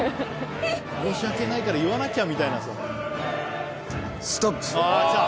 「申し訳ないから言わなきゃ」みたいなさ。